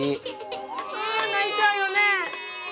あ泣いちゃうよね。